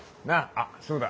あっそうだ。